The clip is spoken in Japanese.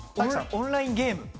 オンラインゲーム。